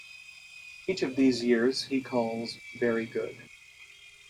Each of these years he calls "very good".